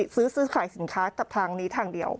ซื้อซื้อขายสินค้ากับทางนี้ทางเดียว